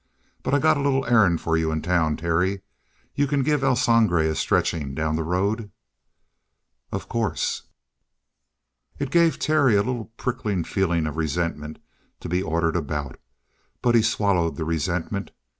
But I got a little errand for you in town, Terry. You can give El Sangre a stretching down the road?" "Of course." It gave Terry a little prickling feeling of resentment to be ordered about. But he swallowed the resentment.